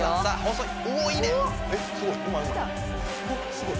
すごい。